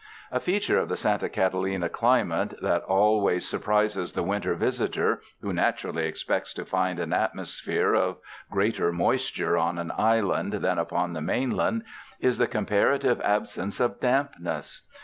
A feature of the Santa Catalina climate that al ways surprises the winter visitor, who naturally ex pects to find an atmosphere of greater moisture on an island than upon the mainland, is the compara tive absence of dampness.